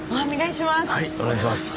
お願いします。